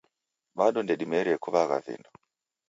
Bado ndedimerie kuwagha vindo